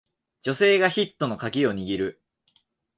女性がヒットのカギを握る